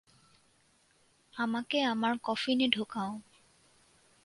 আমাকে আমার কফিনে ঢোকাও।